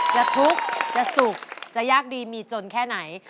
จะทุกข์จะสุขจะยากดีมีจนแค่ไหน